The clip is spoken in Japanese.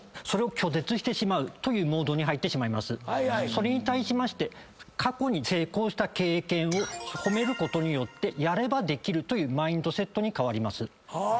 それに対しまして過去に成功した経験を褒めることによってやればできるというマインドセットに変わります。